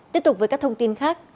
tiếp tục với các thông tin khác